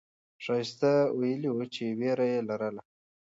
ښایسته ویلي وو چې ویره یې لرله.